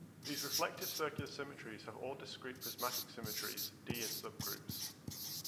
These reflective circular symmetries have all discrete prismatic symmetries, D as subgroups.